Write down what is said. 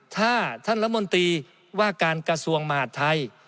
ถ้าท่านรัฐมนตรีว่าการกระทรวงมหาดไทย